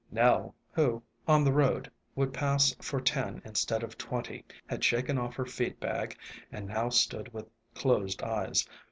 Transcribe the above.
Nell, who, on the road, would pass for ten instead of twenty, had shaken off her feed bag and now stood with closed eyes.